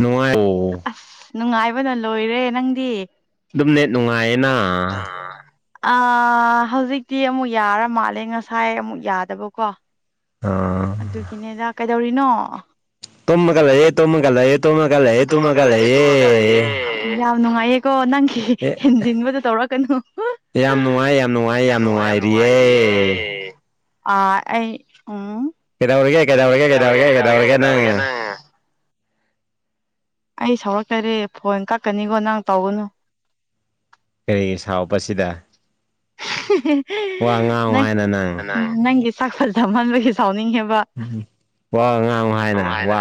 ꯅꯨꯉꯥꯏꯔꯤꯕ꯭ꯔꯣ꯫ ꯑꯁ ꯅꯨꯡꯉꯥꯏꯕꯅ ꯂꯣꯏꯔꯦ ꯅꯪꯗꯤ꯫ ꯑꯗꯨꯝꯅꯦ ꯅꯨꯡꯉꯥꯏꯌꯦꯅ꯫ ꯑ ꯍꯧꯖꯤꯛꯇꯤ ꯑꯃꯨꯛ ꯌꯥꯔ ꯃꯥꯜꯂꯦ ꯉꯁꯥꯏ ꯑꯃꯨꯛ ꯌꯥꯗꯕꯀꯣ꯫ ꯑꯥ꯫ ꯑꯗꯨꯒꯤꯅꯤꯗ ꯀꯩꯗꯧꯔꯤꯅꯣ꯫ ꯇꯨꯝꯃꯒ ꯂꯩꯌꯦ ꯇꯨꯝꯃꯒ ꯂꯩꯌꯦ ꯇꯨꯝꯃꯒ ꯂꯩꯌꯦ ꯇꯨꯝꯃꯒ ꯂꯩꯌꯦ꯫ ꯌꯥꯥꯝ ꯅꯨꯡꯉꯥꯏ ꯌꯦꯀꯣ ꯅꯪꯒꯤ ꯑꯦ ꯍꯦꯟꯖꯤꯟꯕꯗꯣ ꯇꯧꯔꯛꯀꯅꯨ ꯌꯥꯝ ꯅꯨꯡꯉꯥꯏ ꯌꯥꯝ ꯅꯨꯡꯉꯥꯏꯔꯤꯌꯦ꯫ ꯑ ꯑꯩ ꯎꯝ꯫ ꯀꯩꯗꯧꯔꯤꯒꯦ ꯀꯩꯗꯧꯔꯤꯒꯦ ꯀꯩꯗꯧꯔꯒꯦ ꯀꯩꯗꯧꯔꯤꯒꯦ ꯀꯩꯗꯧꯔꯒꯦ ꯀꯩꯗꯧꯔꯤꯒꯦ ꯅꯪ꯫ ꯀꯩꯗꯧꯔꯒꯦ ꯑꯩ ꯁꯥꯎꯔꯛꯇꯗꯤ ꯐꯣꯟ ꯀꯛꯀꯅꯤꯀꯣ ꯅꯪ ꯇꯧꯒꯅꯨ꯫ ꯀꯩꯒꯤ ꯁꯥꯎꯕꯁꯤꯗ꯫ ꯋꯥ ꯉꯥꯡꯉꯨ ꯅꯪ ꯍꯥꯏꯅ ꯅꯪꯒꯤ ꯁꯛ ꯐꯖꯃꯟꯕꯒꯤ ꯁꯥꯎꯅꯤꯡꯉꯤꯕ꯫ ꯎꯝ ꯋꯥ ꯉꯥꯡꯉꯣ ꯍꯥꯏꯗꯅ ꯋꯥ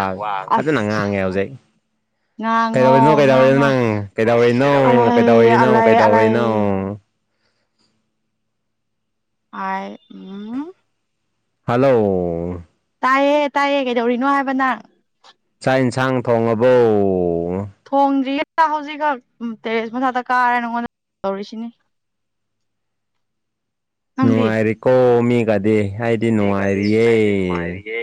ꯐꯖꯅ ꯉꯥꯡꯉꯦꯕ ꯍꯧꯖꯤꯛ꯫ ꯀꯩꯗꯧꯔꯤꯅꯣ ꯉꯥꯡꯉꯣ ꯀꯩꯗꯧꯔꯤꯅꯣ ꯉꯥꯡꯉꯣ ꯅꯪ ꯀꯩꯗꯧꯔꯤꯅꯣ ꯑꯂꯥꯏ ꯀꯩꯗꯧꯔꯤꯅꯣ ꯑꯂꯥꯏ ꯑꯂꯥꯏ ꯀꯩꯗꯧꯔꯤꯅꯣ ꯑꯥꯏ ꯎꯝ ꯍꯜꯂꯣ ꯇꯥꯏꯌꯦ ꯇꯥꯏꯌꯦ ꯀꯩꯗꯧꯔꯤꯅꯣ ꯍꯥꯏꯕ ꯅꯪ ꯆꯥꯛ ꯏꯟꯁꯥꯡ ꯊꯣꯡꯉꯕꯣ ꯊꯣꯡꯗ꯭ꯔꯤꯌꯦꯗ ꯍꯧꯖꯤꯛꯈꯛ ꯇꯦꯔꯦꯁ ꯃꯊꯛꯇ ꯀꯥꯔꯦ ꯅꯪꯉꯣꯟꯗ ꯇꯧꯔꯤꯁꯤꯅꯤ ꯅꯪꯗꯤ ꯅꯨꯡꯉꯥꯏꯔꯤ ꯀꯣ ꯃꯤ ꯀꯗꯤ ꯍꯥꯏꯗ ꯃꯤꯒꯗꯤ ꯍꯥꯏꯗꯤ ꯅꯨꯡꯉꯥꯏꯔꯤꯌꯦ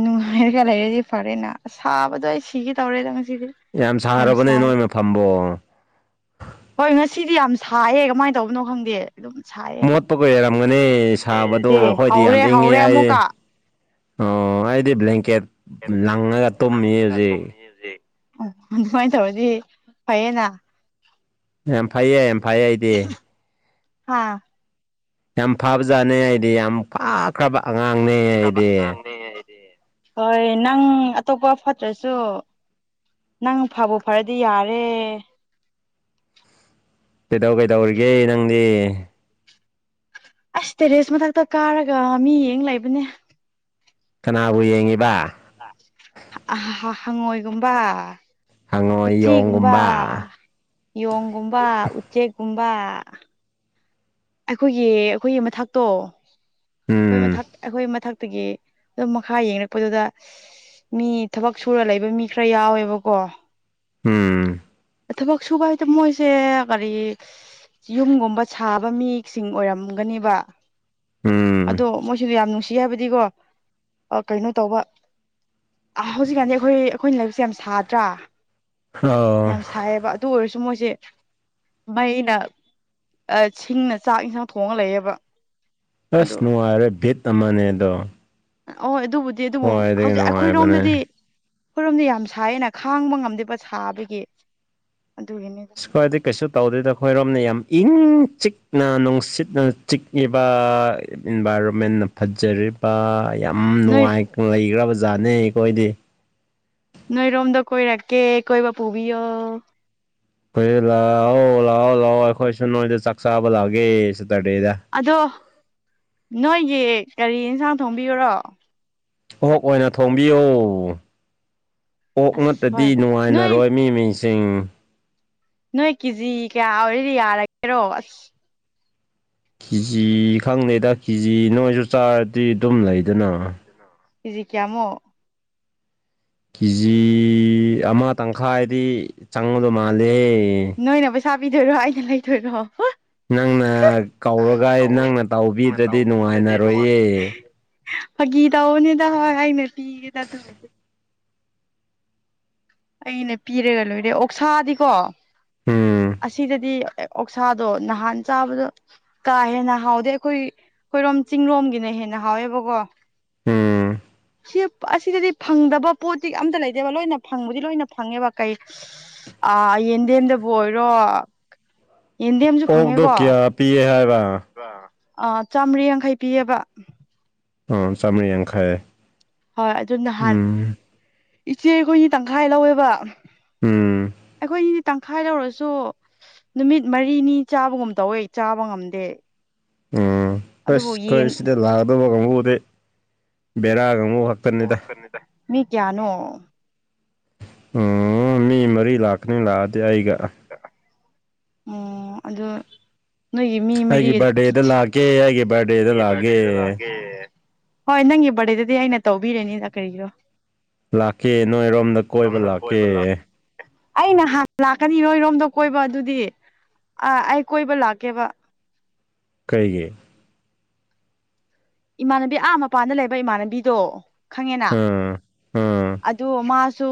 ꯅꯨꯡꯉꯥꯏꯔꯒ ꯂꯩꯔꯗꯤ ꯐꯔꯦꯅ ꯁꯥꯕꯗꯣ ꯑꯩ ꯁꯤꯒꯦ ꯇꯧꯔꯦꯗ ꯉꯁꯤꯗꯤ ꯌꯥꯝ ꯁꯥꯔꯕꯅꯦ ꯅꯣꯏꯅ ꯐꯝꯕꯣ ꯍꯣꯏ ꯉꯁꯤꯗꯤ ꯌꯥꯝ ꯁꯥꯏꯌꯦ ꯀꯃꯥꯏꯅ ꯇꯧꯕꯅꯣ ꯈꯪꯗꯦ ꯑꯗꯨꯝ ꯁꯥꯏꯌꯦ ꯇꯨꯝꯕꯩ ꯑꯣꯏꯔꯝꯒꯅꯤ ꯁꯥꯕꯗꯣ ꯁꯤ ꯑꯩꯈꯣꯏꯗꯤ ꯍꯧꯔꯦ ꯌꯥꯝ ꯏꯪꯉꯦ ꯍꯧꯔꯦ ꯍꯥꯏꯌꯦ ꯑꯃꯨꯛꯀ ꯑꯣꯑꯣ ꯍꯥꯏꯗꯤ ꯕ꯭ꯂꯦꯡꯀꯦꯠ ꯂꯪꯉꯒ ꯇꯨꯝꯃꯤꯌꯦ ꯂꯪꯉꯒ ꯍꯧꯖꯤꯛ ꯇꯨꯝꯃꯤꯌꯦ ꯍꯧꯖꯤꯛ ꯎꯪ ꯑꯗꯨꯃꯥꯏꯅ ꯇꯧꯔꯗꯤ ꯐꯩꯌꯦꯅ ꯌꯥꯝ ꯐꯩꯌꯦ ꯌꯥꯝ ꯐꯩꯌꯦ ꯑꯩꯗꯤ ꯍꯥ ꯌꯥꯝ ꯐꯕꯖꯥꯠꯅꯦ ꯑꯩꯗꯤ ꯌꯥꯝ ꯐꯥꯈ꯭ꯔꯕ ꯑꯉꯥꯡꯅꯦ ꯈ꯭ꯔꯕ ꯑꯩꯗꯤ ꯑꯉꯥꯡꯅꯦ ꯑꯩꯗꯤ ꯍꯣꯏ ꯅꯪ ꯑꯇꯣꯞꯄ ꯐꯠꯇ꯭ꯔꯁꯨ ꯅꯪ ꯐꯕꯨ ꯐꯔꯗꯤ ꯌꯥꯔꯦ ꯀꯩꯗꯧ ꯀꯩꯗꯧꯔꯤꯒꯦ ꯅꯪꯗꯤ ꯑꯥꯁ ꯇꯦꯔꯦꯁ ꯃꯊꯛꯇ ꯀꯥꯔꯒ ꯃꯤ ꯌꯦꯡ ꯂꯩꯕꯅꯦ ꯀꯅꯥꯕꯨ ꯌꯦꯡꯉꯤꯕ ꯍꯥ ꯑꯍꯥ ꯍꯥ ꯍꯪꯉꯣꯏꯒꯨꯝꯕ ꯍꯪꯉꯣꯏ ꯎꯆꯤꯒꯨꯝꯕ ꯌꯣꯡꯒꯨꯝꯕ ꯌꯣꯡꯒꯨꯝꯕ ꯎꯆꯦꯛꯀꯨꯝꯕ ꯑꯩꯈꯣꯏꯒꯤ ꯑꯩꯈꯣꯏꯒꯤ ꯃꯊꯛꯇꯣ ꯑꯩꯈꯣꯏ ꯎꯝ ꯃꯊꯛ ꯑꯩꯈꯣꯏꯒꯤ ꯃꯊꯛꯇꯒꯤ ꯑꯗꯨ ꯃꯈꯥ ꯌꯦꯡꯔꯛꯄꯗꯨꯗ ꯃꯤ ꯊꯕꯛ ꯁꯨꯔ ꯂꯩꯕ ꯃꯤ ꯈꯔ ꯌꯥꯎꯋꯦꯕꯀꯣ ꯎꯝ ꯊꯕꯛ ꯁꯨꯕ ꯍꯥꯏꯇꯣ ꯃꯣꯏꯁꯦ ꯀꯔꯤ ꯌꯨꯝꯒꯨꯝꯕ ꯁꯥꯕ ꯃꯤꯁꯤꯡ ꯑꯣꯏꯔꯝꯒꯅꯤꯕ ꯎꯝ ꯑꯗꯣ ꯃꯣꯏꯖꯨ ꯌꯥꯝ ꯅꯨꯡꯁꯤ ꯍꯥꯏꯕꯗꯤꯀꯣ ꯑꯥꯀꯩꯅꯣ ꯇꯧꯕ ꯑꯥ ꯍꯧꯖꯤꯛꯀꯥꯟꯗꯤ ꯑꯩꯈꯣꯏ ꯑꯩꯈꯣꯏꯅ ꯂꯥꯏꯕꯛꯁꯦ ꯌꯥꯝ ꯁꯥꯗ꯭ꯔꯥ ꯑꯥꯍꯥ ꯌꯥꯝ ꯍꯥꯎ ꯁꯥꯏꯌꯦꯕ ꯑꯗꯨ ꯑꯣꯏꯔꯖꯨ ꯃꯣꯏꯖꯦ ꯃꯩꯅ ꯑꯥ ꯁꯤꯡꯅ ꯆꯥꯛ- ꯏꯟꯁꯥꯡ ꯊꯣꯡꯉ ꯂꯩꯌꯦꯕ ꯑꯥꯁ ꯑꯗꯣ ꯅꯨꯡꯉꯥꯏꯔꯦ ꯚꯤꯠ ꯑꯃꯅꯦꯗꯣ ꯑꯍꯣꯏ ꯑꯗꯨꯕꯨꯗꯤ ꯑꯗꯨꯕꯨ ꯍꯧꯖꯤꯛ ꯅꯨꯡꯉꯥꯏꯕꯅꯦ ꯑꯩꯈꯣꯏꯔꯣꯝꯗꯗꯤ ꯈꯣꯏꯔꯣꯝꯗꯤ ꯌꯥꯝ ꯁꯥꯏꯌꯦꯅ ꯈꯥꯡꯕ ꯉꯝꯗꯦꯕ ꯁꯥꯕꯒꯤ ꯑꯗꯨꯒꯤꯅꯤꯗ ꯁꯨ ꯈ꯭ꯋꯥꯏꯗꯤ ꯀꯩꯁꯨ ꯇꯧꯗꯣꯏꯗ ꯑꯩꯈꯣꯏꯔꯣꯝꯅ ꯌꯥꯝ ꯏꯪ- ꯆꯤꯛꯅ ꯅꯨꯡꯁꯤꯠꯅ ꯆꯤꯛꯂꯤꯕꯥꯑ ꯏꯟꯚꯥꯏꯔꯣꯟꯃꯦꯟꯅ ꯐꯖꯔꯤꯕ ꯌꯥꯝ ꯅꯣꯏ ꯅꯨꯡꯉꯥꯏ ꯂꯩꯒ꯭ꯔꯕ ꯖꯥꯠꯅꯦ ꯑꯩꯈꯣꯏꯗꯤ ꯅꯣꯏꯔꯣꯝꯗ ꯀꯣꯏꯔꯛꯀꯦ ꯀꯣꯏꯕ ꯄꯨꯕꯤꯌꯣ ꯑꯩꯈꯣꯏꯗ ꯂꯥꯛꯑꯣ ꯂꯥꯛꯑꯣ ꯂꯥꯛꯑꯣ ꯑꯩꯈꯣꯏꯁꯨ ꯅꯣꯏꯗ ꯆꯥꯛ ꯆꯥꯕ ꯂꯥꯛꯑꯒꯦ ꯁꯇꯔꯗꯦꯗ ꯑꯗꯣ ꯅꯣꯏꯒꯤ ꯀꯔꯤ ꯏꯟꯁꯥꯡ ꯊꯣꯡꯕꯤꯎꯔꯣ ꯑꯣꯛ ꯑꯣꯏꯅ ꯊꯣꯝꯕꯤꯌꯣ ꯑꯣꯛ ꯑꯁ ꯅꯠꯇꯗꯤ ꯍꯣꯏ ꯅꯣꯏ ꯅꯨꯡꯉꯥꯏꯅꯔꯣꯏ ꯃꯤ ꯃꯤꯁꯦ ꯆꯤꯡ ꯅꯣꯏ ꯀꯦꯖꯤ ꯀꯌꯥ ꯑꯣꯏꯔꯗꯤ ꯌꯥꯔꯒꯦꯔꯣ ꯑꯥꯁ ꯀꯤꯖꯤ ꯈꯪꯗꯦꯗ ꯀꯤꯖꯤ ꯅꯣꯏꯖꯨ ꯆꯥꯔꯗꯤ ꯑꯗꯨꯝ ꯂꯩ ꯀꯦꯖꯤ ꯀꯌꯥꯃꯨꯛ ꯀꯦꯖꯤ ꯑꯃ ꯇꯪꯈꯥꯏꯗꯤ ꯆꯪꯉꯗꯣꯏ ꯃꯥꯜꯂꯦ ꯑꯦ ꯅꯣꯏꯅ ꯄꯩꯁꯥ ꯄꯤꯗꯣꯏꯔꯣ ꯑꯩꯅ ꯂꯩꯗꯣꯏꯔꯣ ꯅꯪꯅ ꯀꯧꯔꯒ ꯅꯪꯅ ꯇꯧꯕꯤꯗ꯭ꯔꯗꯤ ꯅꯨꯡꯉꯥꯏꯅꯔꯣꯏꯌꯦ ꯐꯒꯤ ꯇꯧꯕꯅꯤꯗ ꯍꯥꯏꯔ ꯑꯩ [unintelligible] ꯑꯩ ꯂꯤꯄꯤꯔꯒ ꯂꯣꯏꯔꯦ ꯑꯣꯛꯁꯥꯗꯤꯀꯣ ꯎꯝ ꯑꯁꯤꯗꯗꯤ ꯑꯣꯛꯁꯥꯗꯣ ꯅꯍꯥꯟ ꯆꯥꯕꯗ ꯀꯥ ꯍꯦꯟꯅ ꯍꯥꯎꯗꯦ ꯑꯩꯈꯣꯏ ꯑꯩꯈꯣꯏꯔꯣꯝ ꯆꯤꯡꯔꯣꯝꯒꯤꯅ ꯍꯦꯟꯅ ꯍꯥꯎꯋꯦꯕꯀꯣ ꯎꯝ ꯁꯤ ꯑꯁꯤꯗꯗꯤ ꯐꯪꯗꯕ ꯄꯣꯠꯇꯤ ꯑꯝꯇ ꯂꯩꯇꯦꯕ ꯂꯣꯏꯅ ꯐꯪꯕꯗꯤ ꯂꯣꯏꯅ ꯐꯪꯉꯦꯕ ꯀꯩ ꯑ ꯌꯦꯟꯗꯦꯝꯗꯕꯨ ꯑꯣꯏꯔꯣ ꯌꯦꯟꯗꯦꯝꯁꯨ ꯑꯣꯛꯗꯣ ꯀꯌꯥ ꯄꯤꯌꯦ ꯍꯥꯏꯕ ꯑꯥ ꯆꯥꯝꯔꯤ ꯌꯥꯡꯈꯩ ꯄꯤꯌꯦꯕ ꯎꯝ ꯆꯥꯝꯃꯔꯤ ꯌꯥꯡꯈꯩ ꯍꯣꯏ ꯑꯗꯨ ꯅꯍꯥꯟ ꯎꯝ ꯏꯆꯦꯈꯣꯏꯅꯤ ꯇꯪꯈꯥꯏ ꯂꯧꯋꯦꯕ ꯎꯝ ꯑꯩꯈꯣꯏꯒꯤꯗꯤ ꯇꯪꯈꯥꯏ ꯂꯧꯔꯁꯨ ꯅꯨꯃꯤꯠ ꯃꯔꯤꯅꯤ ꯆꯥꯕꯒꯨꯝ ꯇꯧꯋꯦ ꯆꯥꯕ ꯉꯝꯗꯦ ꯎꯝ ꯑꯁ ꯑꯗꯨꯕꯨ ꯌꯦꯟ ꯑꯩꯈꯣꯏ ꯁꯤꯗ ꯂꯥꯛꯀꯗꯧꯕ ꯀꯥꯡꯕꯨꯗꯤ ꯕꯦꯔꯥ ꯀꯥꯡꯕꯨ ꯈꯛ ꯃꯤ ꯀꯌꯥꯅꯣ ꯎꯝ ꯃꯤ ꯃꯔꯤ ꯂꯥꯛꯀꯅꯤ ꯂꯥꯛꯑꯗꯤ ꯑꯩꯒ ꯑꯣ ꯑꯗꯨ ꯅꯣꯏꯒꯤ ꯃꯤ ꯃꯔꯤꯒꯤꯗꯤ ꯀꯦ ꯑꯩꯒꯤ ꯕꯔꯗꯦꯗ ꯂꯛꯑꯒꯦ ꯍꯣꯏ ꯅꯪꯒꯤ ꯕꯥꯔꯗꯦꯗꯗꯤ ꯑꯩꯅ ꯇꯧꯕꯤꯔꯅꯤꯗ ꯀꯔꯤꯒꯤꯅꯣ ꯂꯥꯛꯀꯦ ꯅꯣꯏꯔꯣꯝꯗ ꯀꯣꯏꯕ ꯂꯥꯛꯀꯦ ꯑꯩ ꯅꯍꯥꯟ ꯂꯥꯛꯀꯅꯤ ꯅꯣꯏꯔꯣꯝꯗ ꯀꯣꯏꯕ ꯑꯗꯨꯗꯤ ꯑꯩ ꯀꯣꯏꯕ ꯂꯥꯛꯀꯦꯕ ꯀꯩꯒꯤ ꯏꯃꯥꯟꯅꯕꯤ ꯑꯥ ꯃꯄꯥꯟꯗ ꯂꯩꯕ ꯏꯃꯥꯟꯅꯕꯤꯗꯣ ꯈꯪꯉꯦꯅ ꯎꯝ ꯎꯝ ꯑꯗꯨ ꯃꯥꯁꯨ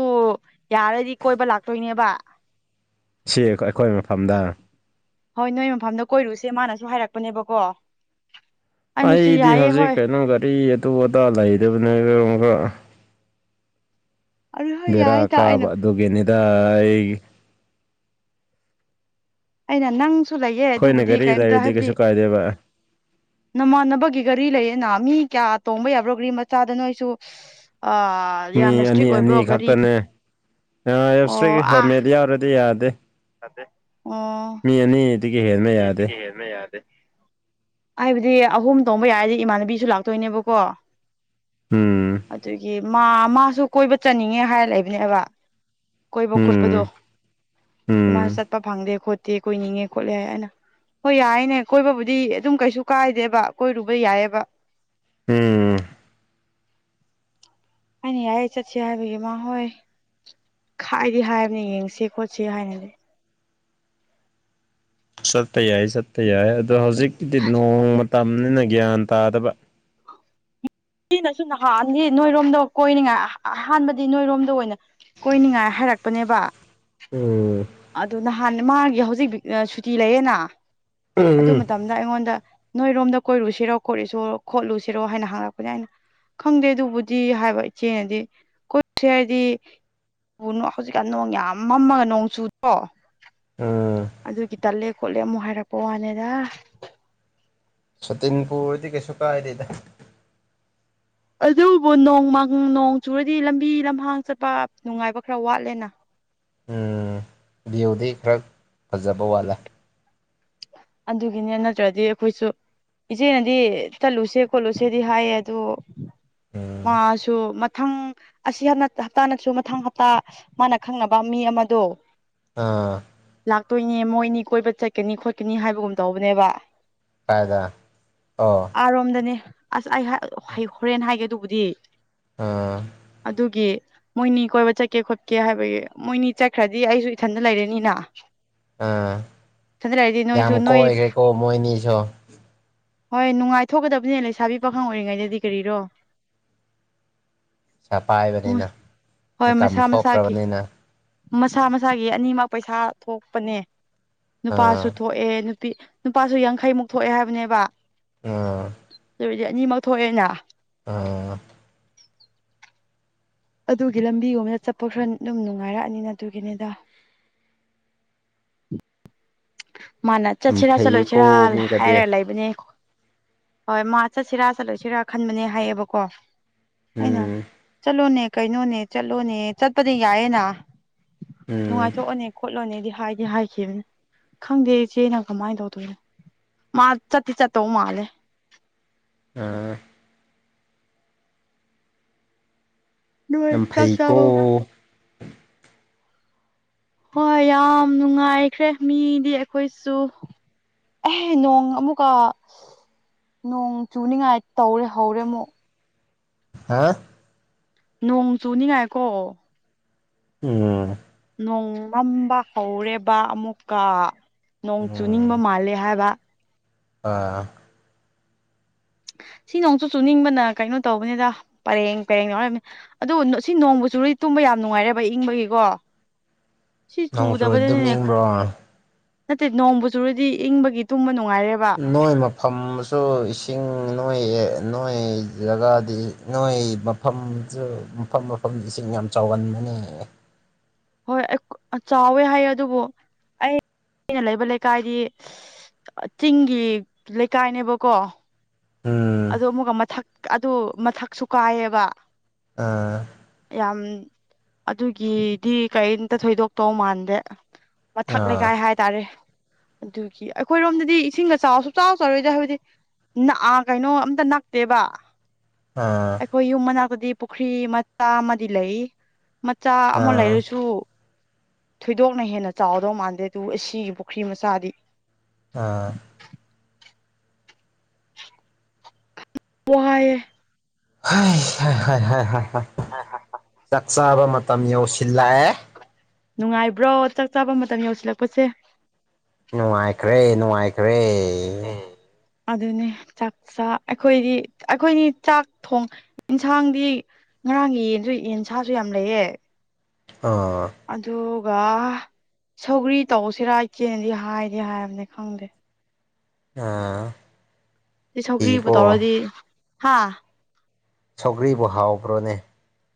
ꯌꯥꯔꯗꯤ ꯀꯣꯏꯕ ꯂꯥꯛꯇꯣꯏꯅꯦꯕ ꯁꯤ ꯑꯩꯈꯣꯏ ꯃꯐꯝꯗ ꯍꯣꯏ ꯅꯣꯏ ꯃꯐꯝꯗ ꯀꯣꯏꯔꯨꯁꯦ ꯃꯥꯅꯁꯨ ꯍꯥꯏꯔꯛꯄꯅꯦꯕꯀꯣ ꯑꯩꯅꯁꯨ ꯑꯩꯗꯤ ꯌꯥꯏꯌꯦ ꯍꯧꯖꯤꯛ ꯍꯣꯏ ꯀꯩꯅꯣ ꯒꯥꯔꯤ ꯑꯇꯨ ꯑꯇꯥ ꯂꯩꯗꯕꯅꯦ [unintelligible] ꯑꯗꯨ ꯍꯣꯏ ꯕꯦꯔꯥ ꯌꯥꯏ ꯇ ꯀꯥꯕ ꯑꯩꯅ ꯑꯗꯨꯒꯤꯅꯤꯗ ꯑꯩ ꯑꯩꯅ ꯅꯪꯁꯨ ꯂꯩꯌꯦ ꯑꯩꯈꯣꯏꯅ ꯑꯗꯨꯕꯨꯗꯤ ꯒꯥꯔꯤ ꯀꯩꯝꯇ ꯂꯩꯔꯗꯤ ꯍꯥꯏꯕꯗꯤ ꯀꯩꯁꯨ ꯀꯥꯏꯗꯦꯕ ꯅꯃꯥꯟꯅꯕꯒꯤ ꯒꯥꯔꯤ ꯂꯩꯌꯦꯅ ꯃꯤ ꯀꯌꯥ ꯇꯣꯡꯕ ꯌꯥꯕ꯭ꯔꯣ ꯒꯔꯤ ꯃꯆꯥꯗ ꯅꯣꯏꯁꯨ ꯑ ꯌꯥꯝꯅ ꯃꯤ ꯏꯁꯇ꯭ꯔꯤꯛ ꯑꯅꯤ ꯑꯅꯤ ꯑꯣꯏꯕ꯭ꯔꯣ ꯒꯥꯔꯤ ꯈꯛꯇꯅꯦ ꯑꯣ ꯑꯥ [unintelligible] ꯌꯥꯗꯦ ꯑꯣ ꯃꯤ ꯑꯅꯤ [unintelligible] ꯍꯦꯟꯕ ꯌꯥꯗꯦ ꯍꯥꯏꯕꯗꯤ ꯑꯍꯨꯝ ꯇꯣꯡꯕ ꯌꯥꯔꯗꯤ ꯏꯃꯥꯟꯅꯕꯤꯁꯨ ꯂꯥꯛꯇꯣꯏꯅꯦꯕꯀꯣ ꯎꯝ ꯑꯗꯨꯒꯤ ꯃꯥ ꯃꯥꯁꯨ ꯀꯣꯏꯕ ꯆꯠꯅꯤꯡꯉꯦ ꯍꯥꯏꯔ ꯂꯩꯕꯅꯦꯕ ꯀꯣꯏꯕ ꯈꯣꯠꯄꯗꯣ ꯎꯝ ꯎꯝ ꯏꯃꯥꯅ ꯆꯠꯄ ꯐꯪꯗꯦ ꯈꯣꯠꯇꯦ ꯀꯣꯏꯅꯤꯡꯉꯦ ꯈꯣꯠꯂꯦ ꯍꯥꯏꯅ ꯍꯣꯏ ꯌꯥꯏꯌꯦꯅꯦ ꯀꯣꯏꯕꯕꯨꯗꯤ ꯑꯗꯨꯝ ꯀꯩꯁꯨ ꯀꯥꯏꯗꯦꯕ ꯀꯣꯏꯔꯨꯕ ꯌꯥꯏꯑꯕ ꯎꯝ ꯑꯩꯅ ꯌꯥꯏꯌꯦ ꯆꯠꯁꯦ ꯍꯥꯏꯕꯒꯤ ꯃꯥꯍꯣꯏ ꯍꯥꯏꯗꯤ ꯍꯥꯏꯕꯅꯦ ꯌꯦꯡꯁꯦ ꯈꯣꯠꯁꯦ ꯍꯥꯏꯅꯗꯤ ꯆꯠꯄ ꯌꯥꯏ ꯆꯠꯄ ꯌꯥꯏ ꯑꯗꯣ ꯍꯧꯖꯤꯛꯀꯤꯗꯤ ꯅꯣꯡ ꯃꯇꯝꯅꯤꯅ ꯒ꯭ꯌꯥꯟ ꯇꯥꯗꯕ ꯁꯤꯅꯁꯨ ꯅꯍꯥꯟꯗꯤ ꯅꯣꯏꯔꯣꯝꯗ ꯀꯣꯏꯅꯤꯡꯉꯥꯏ ꯑ ꯑꯍꯥꯟꯕꯗꯤ ꯅꯣꯏꯔꯣꯝꯗ ꯑꯣꯏꯅ ꯀꯣꯏꯅꯤꯡꯉꯥꯏ ꯍꯥꯏꯔꯛꯄꯅꯦꯕ ꯑꯣ ꯑꯗꯨ ꯅꯍꯥꯟ ꯃꯥꯒꯤ ꯍꯧꯖꯤꯛ ꯑ ꯁꯨꯇꯤ ꯂꯩꯌꯦꯅꯥ ꯑꯗꯨ ꯎꯝ ꯃꯇꯝ ꯗ ꯑꯩꯉꯣꯟꯗ ꯅꯣꯏꯔꯣꯝꯗ ꯀꯣꯏꯔꯨꯁꯤꯔꯣ ꯈꯣꯠꯂꯤꯁꯣ ꯈꯣꯠꯂꯨꯁꯤꯔꯣ ꯍꯥꯏꯅ ꯍꯪꯉꯛ ꯄꯅꯦ ꯍꯥꯏꯅ ꯈꯪꯗꯦ ꯑꯗꯨꯕꯨꯗꯤ ꯍꯥꯏꯕ ꯏꯆꯦꯅꯗꯤ ꯀꯣꯏꯁꯦ ꯍꯥꯏꯗꯤ ꯎ ꯍꯧꯖꯤꯛꯀꯥꯟ ꯅꯣꯡ ꯌꯥꯝ ꯃꯝꯃꯒ ꯅꯣꯡ ꯆꯨꯗ꯭ꯔꯣ ꯎꯝ ꯑꯗꯨꯒꯤ ꯇꯜꯂꯦ ꯈꯣꯠꯂꯦ ꯑꯃꯨꯛ ꯍꯥꯏꯔꯛꯄ ꯋꯥꯅꯦꯗ ꯁꯇꯤꯟ ꯄꯨꯔꯗꯤ ꯀꯩꯁꯨ ꯀꯥꯏꯗꯦꯗ ꯑꯗꯨꯕꯨ ꯅꯣꯡ ꯃꯪ ꯅꯣꯡ ꯆꯨꯔꯗꯤ ꯂꯝꯕꯤ ꯂꯝꯍꯥꯡ ꯆꯠꯄ ꯅꯨꯡꯉꯥꯏꯕ ꯈꯔ ꯋꯥꯠꯂꯦꯅ ꯎꯝ ꯚ꯭ꯌꯨꯗꯤ ꯈꯔ ꯐꯖꯕ ꯋꯥꯠꯂꯦ ꯑꯗꯨꯒꯤꯅꯦ ꯅꯠꯇ꯭ꯔꯗꯤ ꯑꯩꯈꯣꯏꯁꯨ ꯏꯆꯦꯅꯗꯤ ꯆꯠꯂꯨꯁꯦ ꯈꯣꯠꯂꯨꯁꯦꯗꯤ ꯍꯥꯏꯌꯦ ꯑꯗꯨ ꯎꯝ ꯃꯥꯁꯨ ꯃꯊꯪ ꯑꯁꯤ ꯍꯞ ꯅꯠꯇ ꯍꯞꯇꯥ ꯅꯠꯇ꯭ꯔ ꯃꯊꯪ ꯍꯞꯇꯥ ꯃꯥꯅ ꯈꯪꯅꯕ ꯃꯤ ꯑꯃꯗꯣ ꯑꯥ ꯂꯥꯛꯇꯣꯏꯅꯦ ꯃꯣꯏꯅꯤ ꯀꯣꯏꯕ ꯆꯠꯀꯅꯤ ꯈꯣꯠꯀꯅꯤ ꯍꯥꯏꯕꯒꯨꯝ ꯇꯧꯕꯅꯦꯕ ꯀꯥꯏꯗ ꯑꯣ ꯑꯥꯔꯣꯝꯗꯅꯦ ꯑꯁ ꯑꯩ ꯍꯥ ꯑ ꯍꯩ ꯍꯣꯔꯦꯟ ꯍꯥꯏꯒꯦ ꯑꯗꯨꯕꯨꯗꯤ ꯑꯥ ꯑꯗꯨꯒꯤ ꯃꯣꯏꯅꯤ ꯀꯣꯏꯕ ꯆꯠꯀꯦ ꯈꯣꯠꯀꯦ ꯍꯥꯏꯕꯒꯤ ꯃꯣꯏꯅꯤ ꯆꯠꯈ꯭ꯔꯗꯤ ꯑꯩꯁꯨ ꯏꯊꯟꯗ ꯂꯩꯔꯦꯅꯤꯅ [unintelligible] ꯌꯥꯝ ꯀꯣꯏꯈ꯭ꯔꯦꯀꯣ ꯃꯣꯏꯅꯤꯁꯨ ꯍꯣꯏ ꯅꯨꯡꯉꯥꯏꯊꯣꯛꯀꯗꯕꯅꯦ ꯂꯩꯁꯥꯕꯤ ꯄꯥꯈꯪ ꯑꯣꯏꯔꯤꯉꯩꯗꯗꯤ ꯀꯔꯤꯔꯣ ꯄꯩꯁꯥ ꯃꯣꯏ ꯄꯥꯏꯕꯅꯤꯅ ꯍꯣꯏ ꯏꯟꯀꯝ ꯃꯁꯥ ꯃꯁꯥꯒꯤ ꯊꯣꯛꯈ꯭ꯔꯕꯅꯤꯅ ꯃꯁꯥ ꯃꯁꯥꯒꯤ ꯑꯅꯤꯃꯛ ꯄꯩꯁꯥ ꯊꯣꯛꯄꯅꯦ ꯅꯨꯄꯥꯁꯨ ꯑꯥ ꯊꯣꯛꯑꯦ ꯅꯨꯄꯤ ꯅꯨꯄꯥꯁꯨ ꯌꯥꯡꯈꯩꯃꯨꯛ ꯊꯣꯛꯑꯦ ꯍꯥꯏꯕꯅꯦꯕ ꯑ ꯑꯗꯨ ꯑꯣꯏꯗꯤ ꯑꯅꯤꯃꯛ ꯊꯣꯛꯑꯦꯅ ꯑ ꯑꯗꯨꯒꯤ ꯂꯝꯕꯤꯒꯨꯝꯕꯗ ꯆꯠꯄ ꯈꯔ ꯑꯗꯨꯝ ꯅꯨꯡꯉꯥꯏꯔꯛꯑꯅꯤꯅ ꯑꯗꯨꯒꯤꯅꯤꯗ ꯃꯥꯅ ꯌꯥꯝ ꯆꯠꯁꯤꯔꯥ ꯆꯠꯂꯣꯏꯁꯤꯔꯥ ꯐꯩꯌꯦꯀꯣ ꯍꯥꯏꯔ ꯃꯤꯒꯗꯤ ꯂꯩꯕꯅꯦ ꯍꯣꯏ ꯃꯥ ꯆꯠꯁꯤꯔꯥ ꯆꯠꯂꯣꯏꯁꯤꯔꯥ ꯈꯟꯕꯅꯦ ꯍꯥꯏꯌꯦꯕꯀꯣ ꯑꯩꯅ ꯎꯝ ꯆꯠꯂꯣꯅꯦ ꯀꯩꯅꯣꯅꯦ ꯆꯠꯂꯣꯅꯦ ꯆꯠꯄꯗꯤ ꯌꯥꯏꯌꯦꯅ ꯎꯝ ꯅꯨꯡꯉꯥꯏꯊꯣꯛꯑꯣꯅꯦ ꯈꯣꯠꯂꯣꯅꯦꯗꯤ ꯍꯥꯏꯗꯤ ꯍꯥꯏꯈꯤꯕꯅꯦ ꯈꯪꯗꯦ ꯏꯆꯦꯅ ꯀꯃꯥꯏꯟ ꯇꯧꯗꯣꯏꯅꯣ ꯃꯥ ꯆꯠꯇꯤ ꯆꯠꯇꯧ ꯃꯥꯜꯂꯦ ꯑ ꯅꯣꯏ ꯌꯥꯝ ꯆꯥꯛ ꯐꯩꯀꯣ ꯆꯥꯕ ꯍꯣꯏ ꯌꯥꯝ ꯅꯨꯡꯉꯥꯏꯈ꯭ꯔꯦ ꯃꯤꯗꯤ ꯑꯩꯈꯣꯏꯁꯨ ꯑꯦꯍ ꯅꯣꯡ ꯑꯃꯨꯛꯀ ꯅꯣꯡ ꯆꯨꯅꯤꯉꯥꯏ ꯇꯧꯔꯦ ꯍꯧꯔꯦ ꯑꯃꯨꯛ ꯍꯥꯥ ꯅꯣꯡ ꯆꯨꯅꯤꯡꯉꯥꯏꯀꯣ ꯎꯝ ꯅꯣꯡ ꯃꯝꯕ ꯍꯧꯔꯦꯕ ꯑꯃꯨꯛꯀ ꯅꯣꯡ ꯆꯨꯅꯤꯡꯕ ꯎꯝ ꯃꯥꯜꯂꯦ ꯍꯥꯏꯕ ꯑꯥ ꯁꯤ ꯅ‌ꯣꯡꯁꯨ ꯆꯨꯅꯤꯡꯕꯅ ꯀꯩꯅꯣ ꯇꯧꯕꯅꯤꯗ ꯄꯔꯦꯡ ꯄꯔꯦꯡ ꯌꯥꯎꯔꯝ ꯑꯗꯨ ꯅ ꯁꯤ ꯅꯣꯡꯕꯨ ꯆꯨꯔꯗꯤ ꯇꯨꯝꯕ ꯌꯥꯝ ꯅꯨꯡꯉꯥꯏꯔ‌ꯦꯕ ꯏꯪꯕꯒꯤꯀꯣ ꯁꯤ ꯅꯣꯡ ꯆꯨꯔꯗꯤ ꯆꯨꯗꯕꯅꯦ ꯑꯗꯨꯝ ꯏꯪꯕ꯭ꯔꯣ ꯅꯠꯇꯦ ꯅꯣꯡꯕꯨ ꯆꯨꯔꯗꯤ ꯏꯪꯕꯒꯤ ꯇꯨꯝꯕ ꯅꯨꯡꯉꯥꯏꯔꯦꯕ ꯅꯣꯏ ꯃꯞ ꯐꯝꯃꯁꯨ ꯏꯁꯤꯡ ꯅꯣꯏ ꯅꯣꯏ ꯖꯒꯥꯗꯤ ꯅꯣꯏ ꯃꯞ ꯐꯝꯖꯨ ꯃꯐꯝ ꯃꯐꯝꯗ ꯏꯁꯤꯡ ꯌꯥꯝ ꯆꯥꯎꯒꯟꯕꯅꯦ ꯍꯣꯏ ꯑꯩ ꯆꯥꯎꯋꯦ ꯍꯥꯏꯌꯦ ꯑꯗꯨꯕꯨ ꯑꯩꯅ ꯂꯩꯕ ꯂꯩꯀꯥꯏꯗꯤ ꯆꯤꯡꯒꯤ ꯂꯩꯀꯥꯏꯅꯦꯕꯀꯣ ꯎꯝ ꯑꯗꯨ ꯑꯃꯨꯛꯀ ꯃꯊꯛ ꯑꯗꯨ ꯃꯊꯛꯁꯨ ꯀꯥꯏꯌ‌ꯦꯕ ꯑꯥ ꯌꯥꯝ ꯑꯗꯨꯒꯤꯗꯤ ꯀꯔꯤꯝꯇ ꯊꯣꯏꯗꯣꯛꯇꯧ ꯃꯥꯟꯗꯦ ꯃꯊꯛ ꯂꯩꯀꯥꯏ ꯍꯥꯏ ꯇꯔꯦ ꯑꯗꯨꯒꯤ ꯑꯩꯈꯣꯏꯔꯣꯝꯗꯗꯤ ꯏꯁꯤꯡꯒ ꯆꯥꯎꯁꯨ ꯁꯨꯡꯆꯥꯎ ꯆꯥꯎꯔꯣꯏꯗ ꯍꯥꯏꯕꯗꯤ ꯅꯛ ꯑꯥ ꯀꯩꯅꯣ ꯑꯝꯇ ꯅꯛꯇꯦꯕ ꯑꯥ ꯑꯩꯈꯣꯏ ꯌꯨꯝ ꯃꯅꯥꯛꯇꯗꯤ ꯄꯨꯈ꯭ꯔꯤ ꯃꯆꯥ ꯑꯃꯗꯤ ꯂꯩ ꯃꯆꯥ ꯑꯃ ꯂꯩꯔꯁꯨ ꯊꯣꯏꯗꯣꯛꯅ ꯍꯦꯟꯅ ꯆꯥꯎꯗꯧ ꯃꯥꯟꯗꯦ ꯑꯗꯨ ꯑꯁꯤꯒꯤ ꯄꯨꯈ꯭ꯔꯤ ꯃꯆꯥꯗꯤ ꯑꯥ ꯋꯥꯏꯌꯦ ꯆꯥꯛ ꯆꯥꯕ ꯃꯇꯝ ꯌꯧꯁꯤꯜꯂꯛꯑꯦ ꯅꯨꯡꯉꯥꯏꯕ꯭ꯔꯣ ꯆꯥꯛ ꯆꯥꯕ ꯃꯇꯝ ꯌꯧꯁꯤꯜꯂꯛꯄꯁꯦ ꯅꯨꯡꯉꯥꯏꯈ꯭ꯔꯦ ꯅꯨꯡꯉꯥꯏꯈ꯭ꯔꯦ ꯎꯝ ꯑꯗꯨꯅꯤ ꯆꯥꯛꯆꯥ ꯑꯩꯈꯣꯏꯗꯤ ꯑꯩꯈꯣꯏꯅꯤ ꯆꯥꯛ ꯊꯣꯡ ꯍꯤꯟꯁꯥꯡꯗꯤ ꯉꯔꯥꯡꯒꯤ ꯌꯦꯟꯁꯨ ꯌꯦꯟꯁꯥꯁꯨ ꯌꯥꯝ ꯂꯩꯌꯦ ꯑꯥ ꯑꯗꯨꯒ ꯁꯧꯒ꯭ꯔꯤ ꯇꯧꯁꯤꯔꯥ ꯏꯆꯦꯅꯗꯤ ꯍꯥꯏꯗꯤ ꯍꯥꯏꯔꯕꯅ‌ꯦ ꯈꯪꯗꯦ ꯑꯥ ꯁꯤ ꯁꯧꯒ꯭ꯔꯤꯕꯨ ꯐꯤꯀꯣ ꯇꯧꯔꯗꯤ ꯍꯥ ꯁꯧꯒ꯭ꯔꯤꯕꯨ ꯍꯥꯎꯕ꯭ꯔꯣꯅꯦ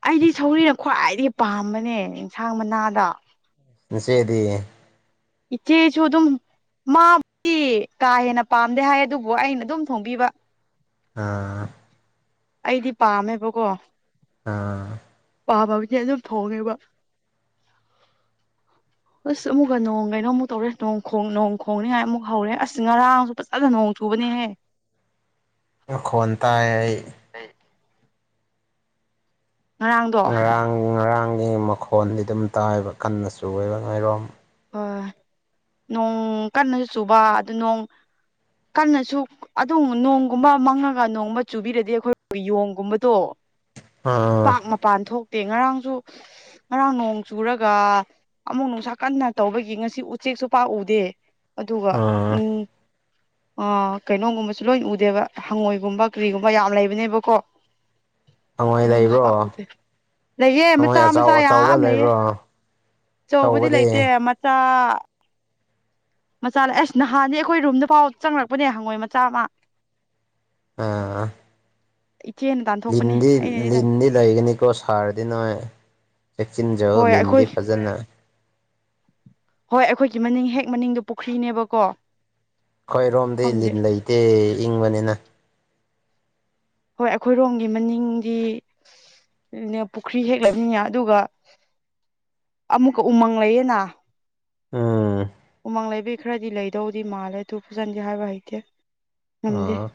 ꯑꯩꯗꯤ ꯁꯧꯒ꯭ꯔꯤꯅ ꯈ꯭ꯋꯥꯏꯗꯒꯤ ꯄꯥꯝꯕꯅꯦ ꯑꯦꯟꯁꯥꯡ ꯃꯅꯥꯗ ꯅꯆꯦꯗꯤ ꯏꯆ‌ꯦꯁꯨ ꯑꯗꯨꯝ ꯃꯥꯕꯨꯗꯤ ꯀꯥ ꯍꯦꯟꯅ ꯄꯥꯝꯗꯦ ꯍꯥꯏ ꯑꯗꯨꯕꯨ ꯑꯩꯅ ꯑꯗꯨꯝ ꯊꯣꯡꯕꯤꯕ ꯑꯥ ꯑꯩꯗꯤ ꯄꯥꯝꯃꯦꯕꯀꯣ ꯑꯥ ꯄꯥꯝꯃꯗꯤ ꯑꯗꯨꯝ ꯊꯣꯡꯉꯦꯕ [inaudible] ꯑꯁ ꯑꯃꯨꯛꯀ ꯅꯣꯡ ꯀꯩꯅꯣ ꯑꯃꯨꯛ ꯇꯧꯔꯦ ꯅꯣꯡ ꯈꯣꯡ ꯅ‌ꯣꯡ ꯈ‌ꯣꯡꯅꯤ ꯍꯥꯏ ꯑꯃꯨꯛ ꯍꯧꯔꯦ ꯑꯁ ꯉꯔꯥꯡꯁꯨ ꯑꯗꯨ ꯅꯣꯡ ꯆꯨꯕꯅꯤꯍꯦ ꯅꯪ ꯈꯣꯟ ꯇꯥꯏ ꯑꯩ ꯉꯔꯥꯡꯗꯣ ꯉꯔꯥꯡ ꯉꯔꯥꯡꯒꯤ ꯃꯈꯣꯟꯗꯤ ꯑꯗꯨꯝ ꯇꯥꯏꯕ ꯀꯟꯅ ꯆꯨꯌꯦꯕꯥ ꯅꯣꯏꯔꯣꯝ ꯍꯣꯏ ꯅꯣꯡ ꯀꯟꯅꯁꯨ ꯆꯨꯕ ꯑꯗꯨ ꯅꯣꯡ ꯀꯟꯅꯁꯨ ꯑꯗꯣ ꯅꯣꯡꯒꯨꯝꯕ ꯃꯪꯉꯒ ꯅꯣꯡꯒꯨꯝꯕ ꯆꯨꯕꯤꯔꯗꯤ ꯑꯩꯈꯣꯏ ꯌꯣꯡꯒꯨꯝꯕꯗꯣ ꯑꯥ ꯄꯥꯛ ꯃꯄꯥꯟ ꯊꯣꯛꯇꯦ ꯉꯔꯥꯡꯁꯨ ꯉꯔꯥꯡ ꯅꯣꯡ ꯆꯨꯔꯒ ꯑꯃꯨꯛ ꯅꯨꯡꯁꯥ ꯀꯟꯅ ꯇꯧꯕꯒꯤ ꯉꯁꯤ ꯎꯆꯦꯛꯁꯨ ꯄꯥꯛ ꯎꯗꯦ ꯑꯗꯨꯒ ꯑꯥ ꯎꯝ ꯑ ꯀꯩꯅꯣꯒꯨꯝꯕꯁꯨ ꯂꯣꯏ ꯎꯗꯦꯕ ꯍꯪꯉꯣꯏꯒꯨꯝꯕ ꯀꯔꯤꯒꯨꯝꯕ ꯌꯥꯝ ꯂꯩꯕꯅꯦꯕꯀꯣ ꯍꯪꯉꯣꯏ ꯑꯗꯨꯝꯕꯁꯨ ꯂꯩꯕ꯭ꯔꯣ ꯄꯥꯛ ꯎꯗꯦ ꯂꯩꯌꯦ ꯍꯪꯉꯣꯏ ꯃꯆꯥ ꯑꯆꯧ ꯃꯆꯥ ꯑꯆꯧꯕ ꯌꯥꯝ ꯂꯩꯌꯦ ꯂꯩꯕ꯭ꯔꯣ ꯑꯆꯧꯕꯗꯤ ꯂꯩꯇꯦ ꯃꯆꯥ ꯃꯆꯥ ꯂꯩ ꯑꯁ ꯅꯍꯥꯟꯗꯤ ꯑꯩꯈꯣꯏ ꯔꯨꯝꯗ ꯐꯥꯎ ꯆꯪꯔꯛꯄꯅꯦ ꯍꯪꯉꯣꯏ ꯃꯆꯥ ꯑꯃ ꯑꯥ ꯏꯆꯦꯅꯥ ꯇꯟ ꯂꯤꯟꯗꯤ ꯂꯤꯟꯗꯤ ꯂꯩꯒꯅꯤꯀꯣ ꯁꯥꯔꯗꯤ ꯅꯣꯏ ꯆꯦꯛꯁꯤꯟꯖꯧ ꯍꯣꯏ ꯑꯩꯈꯣꯏ ꯂꯤꯟꯗꯤ ꯐꯖꯅ ꯍꯣꯏ ꯑꯩꯈꯣꯏꯒꯤ ꯃꯅꯤꯡ ꯍꯦꯛ ꯃꯅꯤꯡꯗꯣ ꯄꯨꯈ꯭ꯔꯤꯅꯦꯕꯀꯣ ꯑꯩꯈꯣꯏ ꯔꯣꯝꯗꯤ ꯈꯪꯗꯦ ꯂꯤꯟ ꯂꯩꯇꯦ ꯏꯪꯕꯅꯤꯅ ꯍꯣꯏ ꯑꯩꯈꯣꯏꯔꯣꯝꯒꯤ ꯃꯅꯤꯡꯗꯤ ꯅꯦ ꯄꯨꯈ꯭ꯔꯤ ꯍꯦꯛ ꯂꯩꯝꯅꯤꯅꯥ ꯑꯗꯨꯒ ꯑꯃꯨꯛꯀ ꯎꯃꯪ ꯂꯩꯌꯦꯅ ꯎꯝ ꯎꯃꯪ ꯂꯩꯕꯩ ꯈꯔꯗꯤ ꯂꯩꯗꯧꯗꯤ ꯃꯥꯜꯂꯦ ꯑꯗꯨ ꯐꯖꯅꯗꯤ ꯍꯥꯏꯕ ꯍꯩꯇꯦ ꯉꯝꯗꯦ ꯑꯣ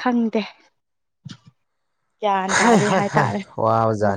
ꯈꯪꯗꯦ ꯒ꯭ꯌꯥꯟ ꯍꯏ ꯇꯥꯗꯦ ꯍꯏ ꯍꯏ ꯍꯥꯏꯇꯥꯔꯦ ꯋꯥꯕꯖꯥꯠꯅꯤ